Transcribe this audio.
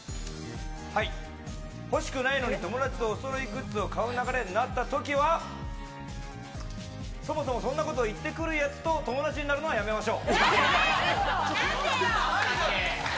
欲しくないのに友達とお揃いグッズを買う流れになった時はそもそもそんなこと言ってくるやつと友達になるのはやめましょう。